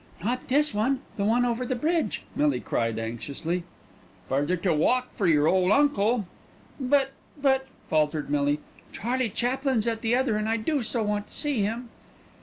"Not this one, the one over the bridge," Millie cried anxiously. "Further to walk for yer ole uncle." "But but " faltered Millie, "Charlie Chaplin's at the other and I do so want to see him."